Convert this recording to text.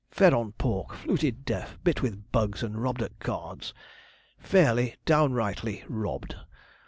Fed on pork, fluted deaf, bit with bugs, and robbed at cards fairly, downrightly robbed.